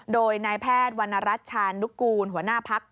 โดยนายแพทย์วรรณรัฐชานุกูลหัวหน้าพัก